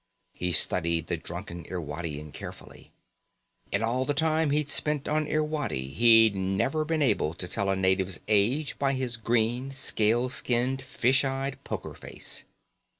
He studied the drunken Irwadian carefully. In all the time he'd spent on Irwadi, he'd never been able to tell a native's age by his green, scale skinned, fish eyed poker face.